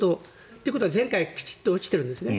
ということは前回きちんと落ちているんですね。